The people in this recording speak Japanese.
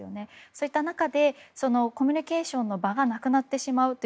そういった中でコミュニケーションの場がなくなってしまう。